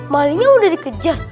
malingnya udah dikejar